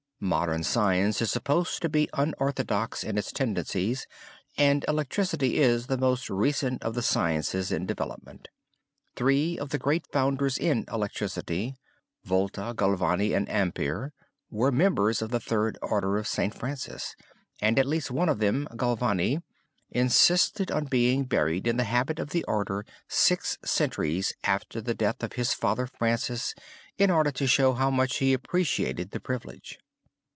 Modern science is supposed to be unorthodox in its tendencies and electricity is the most recent of the sciences in development. Three of the great founders in electricity, Volta, Galvani and Ampere, were members of the Third Order of St. Francis and at least one of them, Galvani, insisted on being buried in the habit of the order six centuries after the death of his father Francis in order to show how much he appreciated the privilege.